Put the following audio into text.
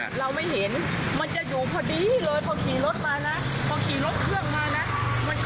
เราไม่เห็นมันจะอยู่พอดีเลยพอขี่รถมานะพอขี่รถเครื่องมานะ